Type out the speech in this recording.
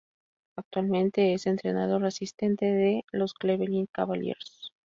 Actualmente es entrenador asistente de los Cleveland Cavaliers.